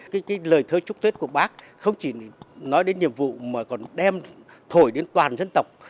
cái lời thơ chúc tết của bác không chỉ nói đến nhiệm vụ mà còn đem thổi đến toàn dân tộc